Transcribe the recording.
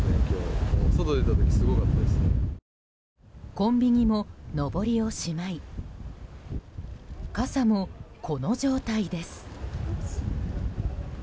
コンビニも、のぼりをしまい傘もこの状態です。